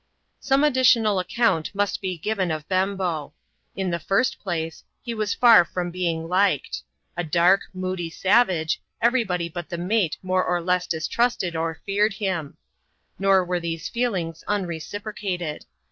Some additional account must be given of Bembo. In the first place, he was far from being liked. A dark, moody savage, everybody but the mate more or less distrusted or feared him. Nor were these feelings unreciprocated.